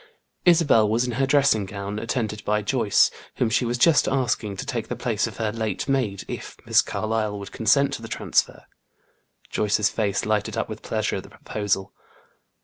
Isabel was in her dressing gown, attended by Joyce, whom she was just asking to take the place of her late maid, if Miss Carlyle would consent to the transfer. Joyce's face lighted up with pleasure at the proposal.